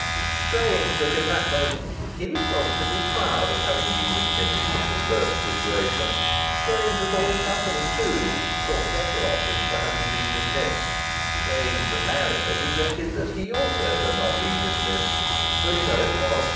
Strange that in that moment he was positively proud of having been dismissed from his first situation! Strange that all the company, too, thought the better of him for having been dismissed! Strange that Marrier regretted that he also had not been dismissed! But so it was.